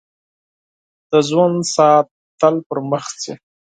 • د ژوند ساعت تل پر مخ ځي.